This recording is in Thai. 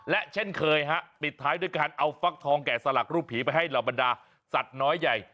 และเช่นเคยฮะปิดท้ายด้วยการเอาฟักทองแก่สลักรูปผีไปให้เหล่าบรรดาสัตว์น้อยใหญ่